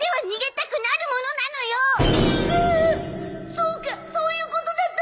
そうかそういうことだったのか。